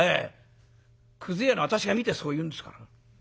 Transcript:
くず屋の私が見てそう言うんですから。